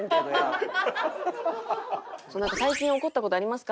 「最近怒った事ありますか？」